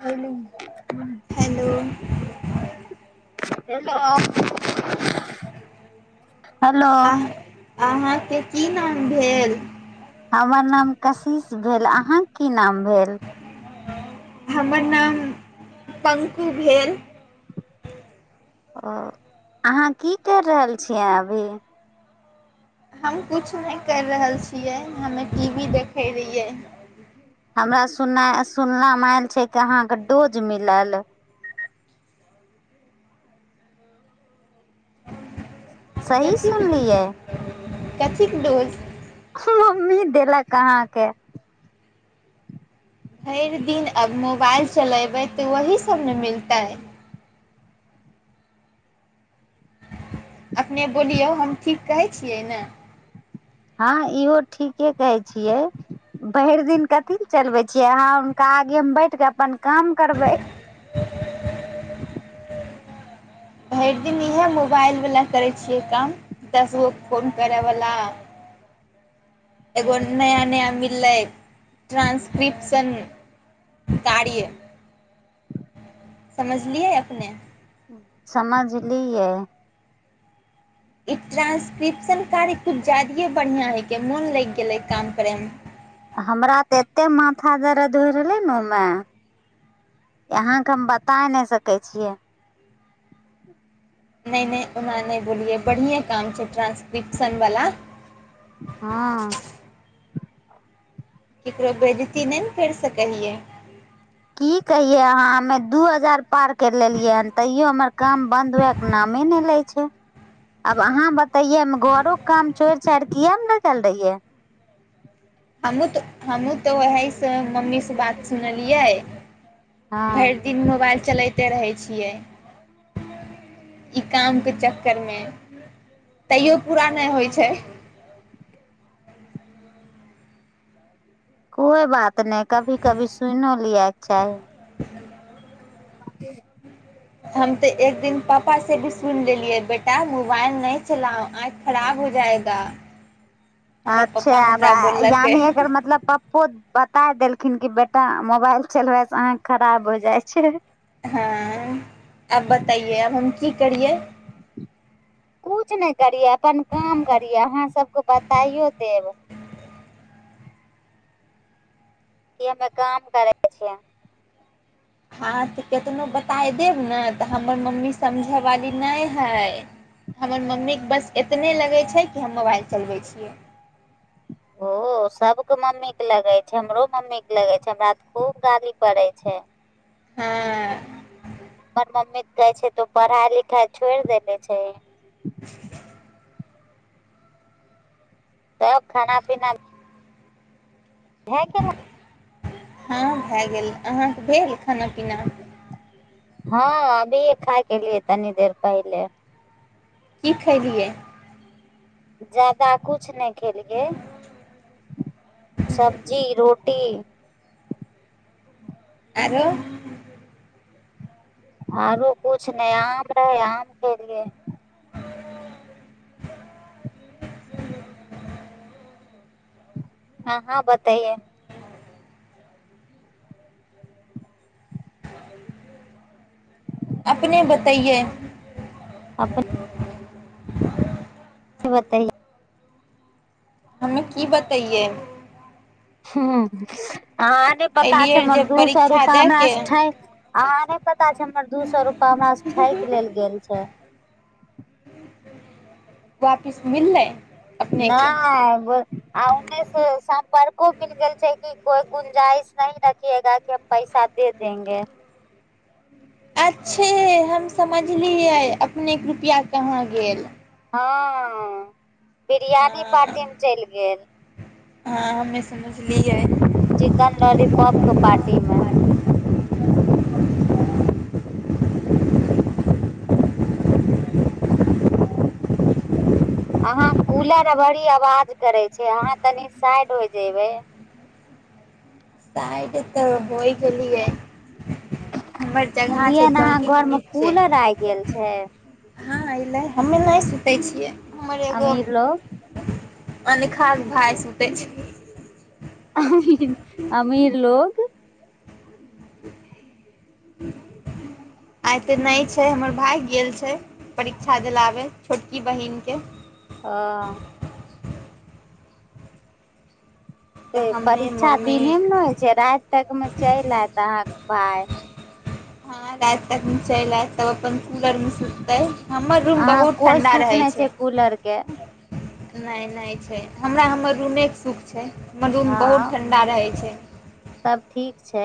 भेल। [unintelligible] Hello. Hello. Hello. अह अहाँके की नाम भेल। हमर नाम कशिश भेल अहाँके की नाम भेल। हमर नाम पङकू भेल। ओ अहाँ की कैर रहल छियै अभी। हम कुछू नै कइर रहल छियै हमे टी वी देखै रहियै। हमरा सुन्नाय सुनमे आयल छै कि अहाँके डोज मिलल। सही सुनलियै। Cathay dose. [unintelligible] मम्मी देलक अहाँके। भैर दिन। अब मोबाइल चलेबै। त वही सब न मिलतै। अपने बोलियौ हम ठीक कहै छियै ने। हँ इहो ठीके कहै छियै भरि दिन कथी ल चलबै छियै अहाँ हुनका आगेमे बैठ कऽ अपन। काम करबै। भैरदिन इएह मोबाइलवला करै छियै काम दस गो फोन करयवला एगो नया नया मिललै ट्रांस क्रिप्शन कार्य। समझलियै अपने। समझलियै। ई ट्रान्सक्रिप्शन कार्य कुछ जादीये बढ़िआँ हइकेै मोन लैग गेलै काम करैमे। हमरा तऽ एते माथा दर्द होइ रहलै न ओयमे यहाके हम बताय नै सकै छियै। नहि नहि ओना नहि बोलियै बढ़िएँ काम छै ट्रान्सक्रिप्शनवला हँ ककरो बेज्जती नै न फेर स केलिए। की कहियै अहाँ हमे दू हजार पार करि लेलियै हन तैयो हमर काम बन्द हुएके नामे नहि लै छै आब अहाँ बतैयै हम घरोे काम छोड़ि-छाइर इहाए मे बैठल रहियै हमहुँ तऽ हमहहुँ तऽ ओहसँ मम्मीसँ बात सुनलियै हँ भरि दिन मोबाइल चलैते रहै छियै ई कामके चक्करमे तैयौ पूरा नहि होइ छै कोइ बात नहि कभी कभी सुइनो लिएके चाही [unintelligible] हम तऽ एक दिन पापासँ भी सुनि लेलियै बेटा मोबाइल नहि चलाउ आँखि खराब हो जायगा अच्छा आब यानि एकर मतलब पप्पो बताय देलखिन की बे- तऽ मोबाइल चलबै से आँखि खराब हो जाइ छै हँ आब बताइए अब हम की करियै कछु नहि करियै अपन काम करियै अहाँ सभके बताइयो देब कि हमरा काम करैके छै हाँ तऽ केतनो बताए देब न तऽ हमर मम्मी समझैवाली नहि हइ हमर मम्मीके बस इतने लगै छै की हम मोबाइल चलबै छियै ओ सबके मम्मी के लगै छै हमरो मम्मी के लगै छै हमरा तऽ खूब गाली पड़ै छै हँ पर मम्मी कहै छै तूँ पढ़ाइ लिखाइ छोड़ि देेले छहिंन [inaudible] तब खाना पीना भेए गेलह हँ भए गेल अहाँके भेल खाना पीना हाँ अभी खा के एलिए तनी देर पहिले की खैलियै ज्यादा कछु नहि खेलियैए सब्जी रोट- तीन आरो आरो कुछ नहि आम रहै आम खेलियै अहाँ बतैइए अपने बतैयै बतैइए हमे की बतैयै हूँ अहाँ ने पता छै एलियै हमर जब दू सए परीक्षा रूपा हमरा दएके सँ ठकि अहाँ ने प छै हमर दू सए रूपा हमरा से ठकि लेल गेल छै। वापिस मिललै। अपनेके नहि उन्नैक स परको मिल गेल छै कि कोइ गुंजाइश नहीं रखियेगा की हम पैसा दे देेंगे छैय हम समझलियै अपने कृपया कहाँ गेल हाँ-अ बिरियानी हँ पार्टी मे चलि गेल। हँ हमे समझलियै। चिकन लॉलीपॉपके पार्टीमे। अहाँ कूलर आ बरी आवाज करै छै अहाँ तनी साइड हो जैइबै। [unintelligible] तऽ होइ गेलियै हमर जगह छै सुनलियै ने अहाँ चौकी घर के मे निच्चे। कूलर आइ गेल हँ छै हां अयलै हमे नै सुतै छियै। अमीर लोग। अनेखाक भाय सुतै छै। आ [inaudible] अमीर लोग। आइ ते नै छै हमर भाय गेल छै परीक्षा दिलाबे छोटकी बहिनके। अ त तऽ हमे परीक्षा मम्मी दिनेमे ने होइ छै राति तकमे चलि आयत अहाँ भाई। हँ राईत तक मे चैल एत। तब अपन कूलरमे सुततै हमर रूम अहाँ बहुत कोइ ठण्डा सुख रहै नहि छै। कूलर के नहि नै छै हमरा हमर रूमे के सुख छै हमर रूम हँ बहुत ठण्डा रहै छै। तब ठीक छै।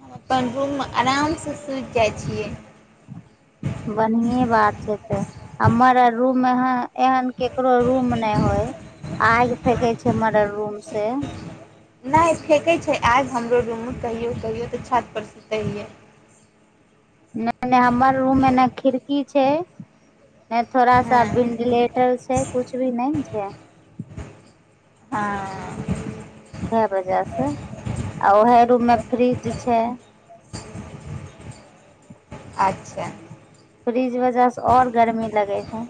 हम अपन रूममे आरामसँ सुति जाइ छियै। बनहीए बात छै तऽ हम्मर आर रूप महाँ एहन केकरो रूम नहि होय आईग फेेकै छै मरर रूम से। आइब हमरो रूममे कहियो कहियौ तऽ छत पर। [unintelligible] नै नै हम्मर रूम मे नै खिड़की छै। नै थोड़ा सा हँ वैंडिलेटर छै कुछ भी नै। छ आ। इएह वजह से आ उएह रूम मे फ्रिज छै। अच्छै। फ्रीज वजह [inaudible] और गर्मी लगे छै।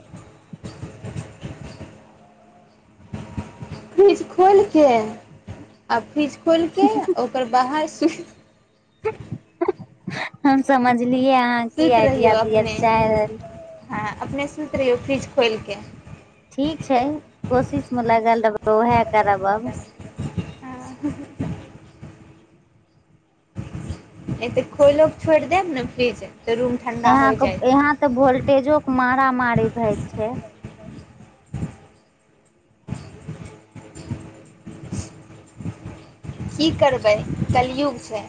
फ्रिज खोलिके आ फ्रिज खोलिके ओकर बाहर स [unintelligible] हम समझ बुझलिए अहां के कि सुति रहियौ आइडिया देल अपने जाय। हँ अपने सुति रहियो फ्रिज खोलि के ठीक छै कोशिशमे लागल रहबै, उएह करब आब। हँ ए त खोलिये के छोड़ि देब ने फ्रिज तऽ रूम ठण्डा अहां हो के जायत यहाँ त वोल्टेजोके मारामारी भय छै। की करबै कलयुग छै।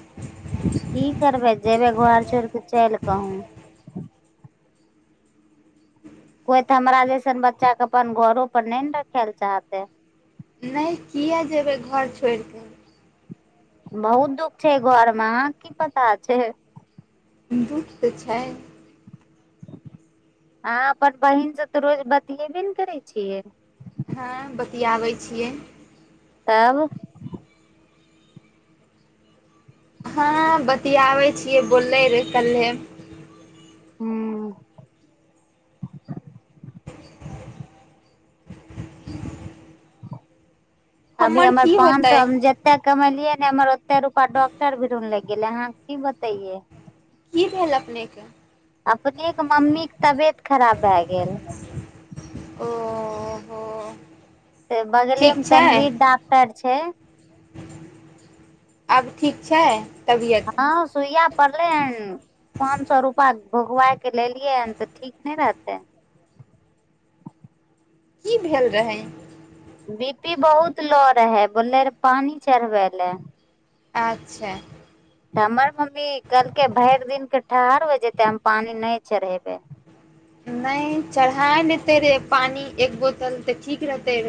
की करबै जेबै घर छोड़ि क चलि कहुं। कोइ त हमरा जइसन बच्चाके अपन घरो पर नहि ने रखै लए चाहलकै। नहि, कियै जेबै घर छोड़ि क। बहुत दुःख छै घरमे अहां के कि पता छै। दुःख त छै। अहां अपन बहिन से त रोज बतियेबे ने करै छियै। हां बतियाबै छियै। तब हां बतियाबै छियै बोलले रहै कल्हे। हुं ह [unintelligible] अभी हमर की पांच होतै सौ मे जतेक समझलियै ने हमर ओते रूपया डॉक्टर भीरुन लागि गेलै अहां के कि बतैये। की भेल अपनेके। अपनेके मम्मीके तबियत खराब भए गेल। ओ हो त बगलेमे तनवीर डॉक्टर छै। छै आब ठीक छै। तबियत हां, सुइया पड़लैहन, पांच सौ रूपया दुधवा के लेलियै हन त ठीक नहि रहतै। की भेल रहै। बी पी बहुत लो रहै, बोलले रहे पानी चढ़बै ले। अच्छा त हमर मम्मी कहलकै भरि दिनमे ठहढ़ हो जेतै हम पानि नहि चढ़ेबै नै चढ़ा लेतै पानी एक बोतल त ठीक रहतै।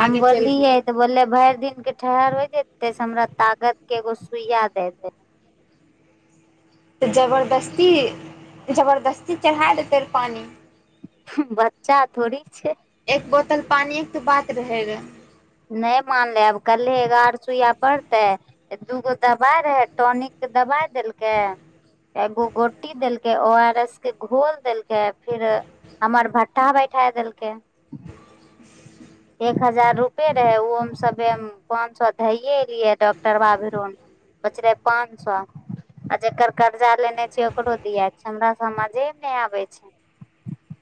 हम बोलली है तऽ बोललेै भरि दिन के ठहर होइ छै तेएस हमरा तागत के एगो सुइया दै दए जबरदस्ती जबरदस्ती चढ़ा देतै रऽ पानि हूँ बच्चा थोड़ीक छै एक बोतल पानिएके तऽ बात भेल रहैए नहि मानले आब कल्हे एगार सुइया पड़तै एक दुगो दवाइ रहै, टॉनिक के दवाइ देलकै, एगो गोटी देलकै ओ आर एस के घोल देलकै फिर हमर भट्ठा बैठा देलकै एक हजार रुपए रहै ओमे सभे पाँच सए धैए एलियै डॉक्टर बाभिरो बच रहै पाँच सए आ जकर कर्जा लेने छै ओकरो दिएके छै हमरा सभजेमे नहि आबै छै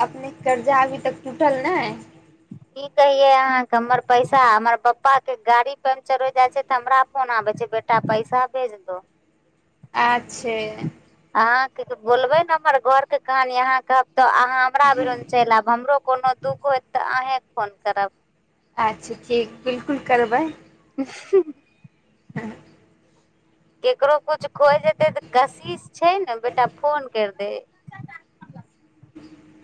अपने के कर्जा अभी तक टुटल नै। की कहियै अहांके हमर पैसा हमर पपाके गाड़ी पंचर हो जाइ छै त हमरा फोन आबै छै बेटा पैसा भेज दो। आच्छे अहाँके बोलबै न हमर घर के कहानी अहाँके तऽ अहाँ हमरा भरोन चलि आएब हमरो कोनो दुःख होयत तऽ अहेँके फोन करब अच्छा ठीक बिल्कुल करबै हूँ -ह हँ केकरो कुछ कोइ जेतै तऽ कशिश छै ने बेटा फोन करि दे [unintelligible]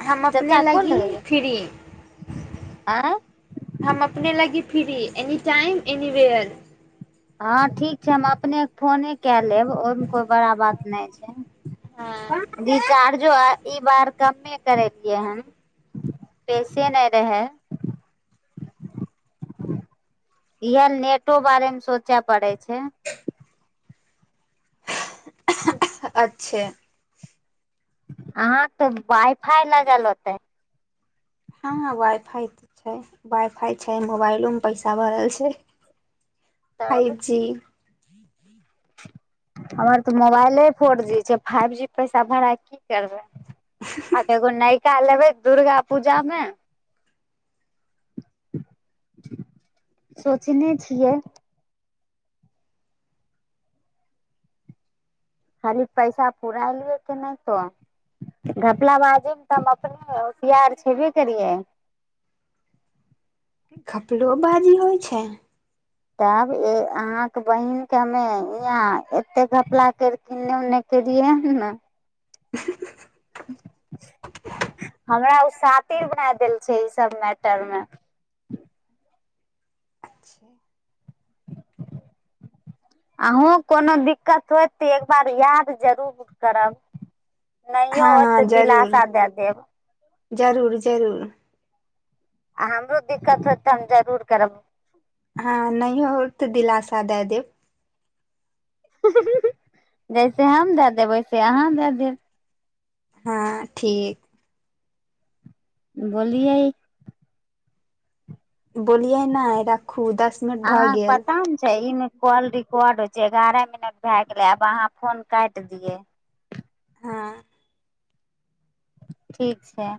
हम चाचा अपने फोन लगी लगेलै फ्री आँय [unintelligible] [unintelligible] फ्री एनी टाइम [unintelligible] एनीवेयर [unintelligible] हँ ठीक छै हम अपनेक फोने काए- -लेब ओहिमे कोइ बड़ा बात नहि छै हँ [unintelligible] ई बार कमे करेलियै हन पैसे नहि रहै इएह नेटो बारे मे सोचे पड़ै छै [inaudible] छै अहाँ तऽ वाइफाइ लगल होतै हाँ वाइ फाइ तऽ छै वाइ फाइ छै मोबाइलोमे पैसा भरल छै तब फाइव जी हमर तऽ मोबाइले फोर जी छै फाइव जी पैसा भड़ाए के की करबै आ एगो नै काल्हि एबै दुर्गा पूजामे सोचने छियै खाली पैसा पुराए लियै कि नहि तऽ घपलाबाजिमे तऽ हम अपने होशियार छेबै करियै घपलो बाजि होइ छै तब ए अहाँके बहिनके हमे इियाँ एतेक घपला कर के एन्ने उन्ने केलियै हन ने हमरा ओ शातिर बनै देल छै ई सब मैटर मे अचछे [unintelligible] अहूँ कोनो दिक्कत होत तऽ एक बार याद जरूर करब नहियो हाँ होत हाँ तऽ जरूर दिलासा दए देब जरूर जरूर आ हमरो दिक्कत होएत तऽ हम जरूर करब हँ नहियो तऽ दिलासा दैय देव जैसे हम दए देब वैसे अहाँ दए देब हँ ठीक बोलियै बोलियै नहि राखू दस मिनट भऽ अहाँके गेल पता ने छै ई मे कॉल रिकॉर्ड होइ छै एगारह मिनट भए गेलै आब अहाँ फोन काटि दियै हँ ठीक छै